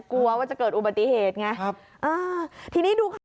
กลัวว่าจะเกิดอุบัติเหตุไงครับอ่าทีนี้ดูค่ะ